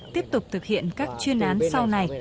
tiếp tục thực hiện các chuyên đề này